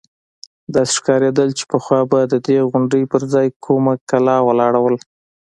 داسې ښکارېدل چې پخوا به د دې غونډۍ پر ځاى کومه کلا ولاړه وه.